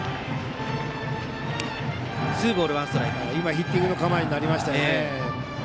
ヒッティングの構えになりましたね。